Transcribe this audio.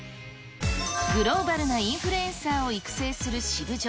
グローバルなインフルエンサーを育成するシブジョ。